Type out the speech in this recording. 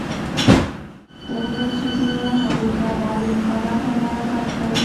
دغو بنسټونو هغوی ته مالي امکانات هم برابر کړل.